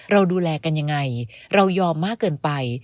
เราดูแลกันยังไงเรายอมมากเกินไป